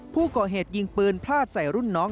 ผู้ก่อเหตุยิงปืนพลาดใส่รุ่นน้อง